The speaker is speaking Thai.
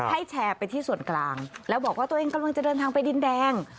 แชร์ไปที่ส่วนกลางแล้วบอกว่าตัวเองกำลังจะเดินทางไปดินแดง